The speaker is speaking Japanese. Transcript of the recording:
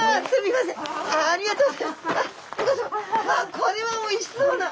まあこれはおいしそうな！